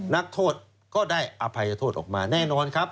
นักโทษก็ได้อภัยโทษออกมาแน่นอนครับ